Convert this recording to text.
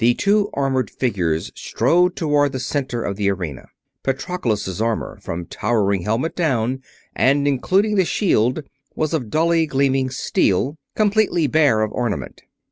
Two armored figures strode toward the center of the arena. Patroclus' armor, from towering helmet down, and including the shield, was of dully gleaming steel, completely bare of ornament.